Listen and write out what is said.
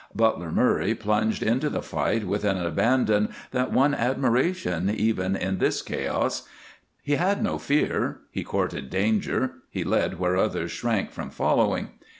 Butler Murray plunged into the fight with an abandon that won admiration even in this chaos. He had no fear, he courted danger, he led where others shrank from following.